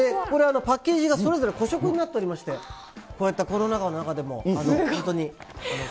これ、パッケージがそれぞれ個食になっておりまして、こうやったコロナ禍の中でも、本当に。